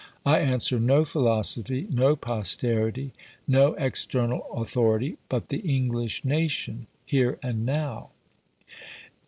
I answer, no philosophy, no posterity, no external authority, but the English nation here and now.